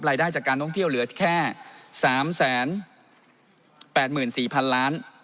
รายได้จากการท่องเที่ยวเหลือแค่๓๘๔๐๐๐ล้าน